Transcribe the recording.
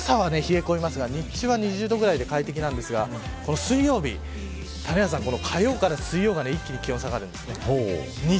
朝は冷え込みますが日中は２０度くらいで快適なんですが谷原さん火曜日から水曜日一気に気温下がるんです。